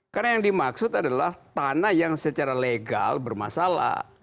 karena yang dimaksud adalah tanah yang secara legal bermasalah